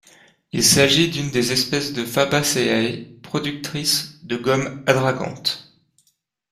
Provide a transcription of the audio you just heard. Il s'agit d'une des espèces de Fabaceae productrices de gomme adragante.